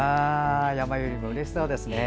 ヤマユリもうれしそうですね。